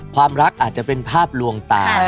ความรักอาจจะเป็นภาพลวงตา